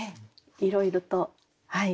いろいろとはい。